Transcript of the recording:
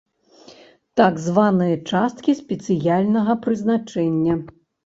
Так званыя часткі спецыяльнага прызначэння.